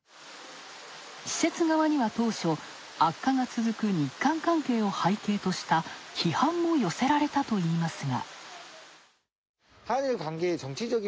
施設側には当初、悪化が続く日韓関係を背景とした批判も寄せられたといいますが。